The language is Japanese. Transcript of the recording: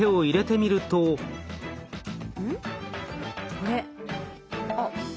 あれ？あっ。